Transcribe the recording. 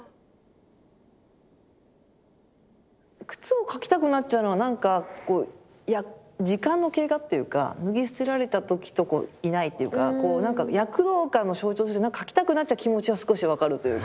靴を描きたくなっちゃうのはなんか時間の経過っていうか脱ぎ捨てられた時といないっていうかこうなんか躍動感の象徴として描きたくなっちゃう気持ちは少し分かるというか。